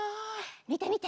みてみて！